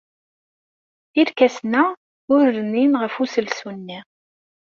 Irkasen-a ur rnin ɣef uselsu-nni.